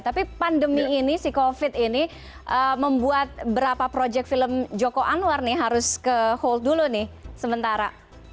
tapi pandemi ini si covid ini membuat berapa proyek film joko anwar nih harus ke hole dulu nih sementara